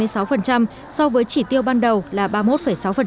so với chỉ tiêu ban đầu là ba mươi một sáu do ảnh hưởng của dịch covid một mươi chín